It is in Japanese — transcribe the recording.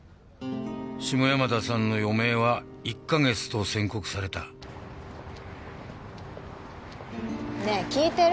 下山田さんの余命は１カ月と宣告されたねえ聞いてる？